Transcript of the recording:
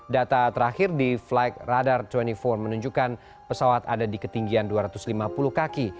data terakhir di flight radar dua puluh empat menunjukkan pesawat ada di ketinggian dua ratus lima puluh kaki